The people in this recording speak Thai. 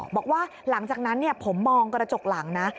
บอกว่าหลังจากนั้นผมมองกระจกหลังนะ